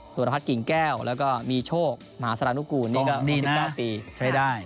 สุรพัฒน์กิ่งแก้วแล้วก็มีโชคหมาสรานุกูลนี่ก็สองสิบเก้าปีใช้ได้